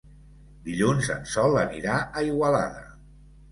Dilluns en Sol anirà a Igualada.